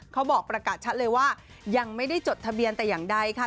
เขาบอกประกาศชัดเลยว่ายังไม่ได้จดทะเบียนแต่อย่างใดค่ะ